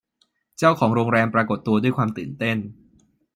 เจ้าของโรงแรมปรากฏตัวด้วยความตื่นเต้น